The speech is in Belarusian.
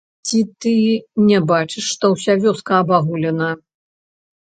Ці ты не бачыш, што ўся вёска абагулена?